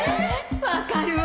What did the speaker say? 分かるわ